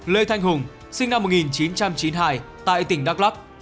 lê thanh hùng sinh năm một nghìn chín trăm chín mươi hai tại tỉnh đắk lắc